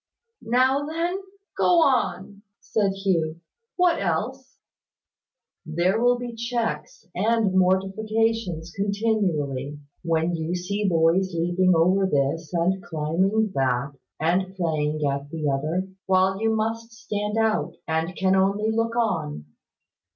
"Now then, go on," said Hugh. "What else?" "There will be little checks and mortifications continually when you see boys leaping over this, and climbing that, and playing at the other, while you must stand out, and can only look on.